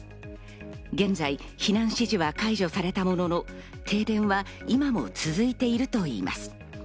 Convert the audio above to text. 現在、避難指示は解除されたものの、停電は今も続いているといいます。